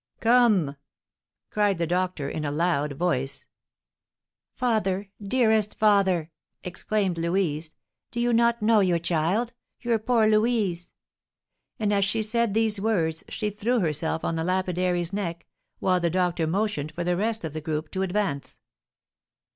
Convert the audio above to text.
"Come!" cried the doctor, in a loud voice. "Father! Dearest father!" exclaimed Louise. "Do you not know your child, your poor Louise?" And as she said these words she threw herself on the lapidary's neck, while the doctor motioned for the rest of the group to advance.